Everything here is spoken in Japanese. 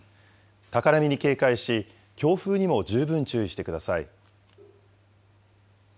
高波に警戒し、強風にも十分注意してください。